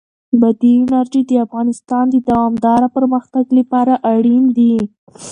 بادي انرژي د افغانستان د دوامداره پرمختګ لپاره اړین دي.